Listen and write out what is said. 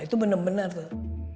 itu benar benar tuh